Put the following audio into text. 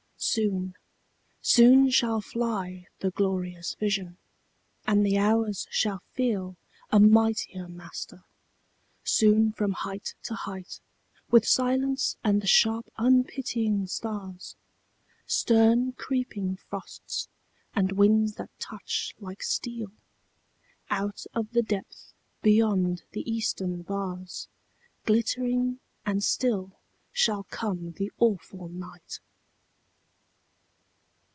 Soon, soon shall fly The glorious vision, and the hours shall feel A mightier master; soon from height to height, With silence and the sharp unpitying stars, Stern creeping frosts, and winds that touch like steel, Out of the depth beyond the eastern bars, Glittering and still shall come the awful night.